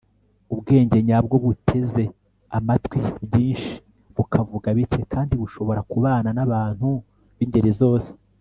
ubwenge nyabwo buteze amatwi byinshi, bukavuga bike kandi bushobora kubana n'abantu b'ingeri zose